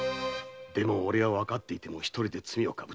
でも俺はわかっていても一人で罪を被った。